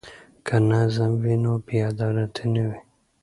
که نظم وي نو بې عدالتي نه وي.